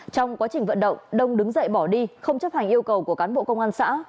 trong quá trình vận động đông đứng dậy bỏ đi không chấp hành yêu cầu của cán bộ công an xã